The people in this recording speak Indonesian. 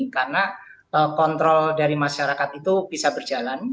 karena kontrol dari masyarakat itu bisa berjalan